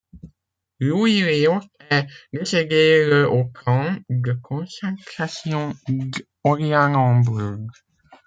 Louis Léost est décédé le au camp de concentration d'Orianenbourg.